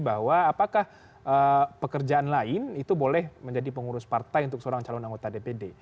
bahwa apakah pekerjaan lain itu boleh menjadi pengurus partai untuk seorang calon anggota dpd